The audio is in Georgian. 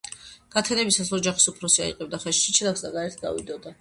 გათენებისას ოჯახის უფროსი აიღებდა ხელში ჩიჩილაკს და გარეთ გავიდოდა